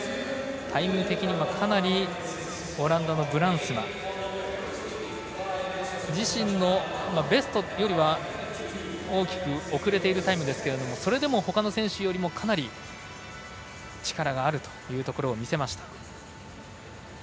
タイム的にはかなりオランダのブランスマ自身のベストよりは大きく遅れているタイムですがそれでもほかの選手よりもかなり力があるというところを見せました。